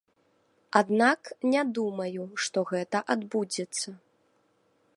Аднак не думаю, што гэта адбудзецца.